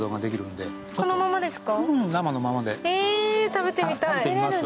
食べてみたい。